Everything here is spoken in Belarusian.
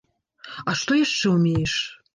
А што яшчэ ўмееш?